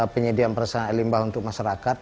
penyediaan perusahaan air limbah untuk masyarakat